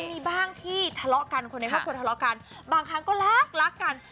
มีบ้างที่ทะเลาะกันคนในครอบครัวทะเลาะกันบางครั้งก็รักรักกัน